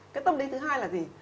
cái tâm lý thứ hai là gì